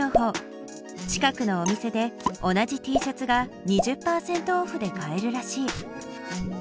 近くのお店で同じＴシャツが２０％オフで買えるらしい。